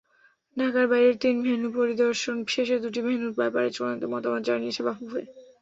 ঢাকার বাইরের তিন ভেন্যু পরিদর্শন শেষে দুটি ভেন্যুর ব্যাপারে চূড়ান্ত মতামত জানিয়েছে বাফুফে।